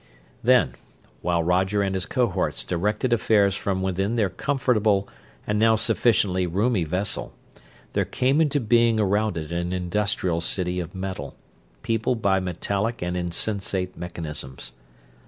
Then, while Roger and his cohorts directed affairs from within their comfortable and now sufficiently roomy vessel, there came into being around it an industrial city of metal, peopled by metallic and insensate mechanisms.